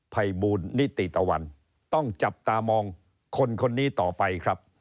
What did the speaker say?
ภัยบูลนิติตะวันต้องจับตามองคนคนนี้ต่อไปครับ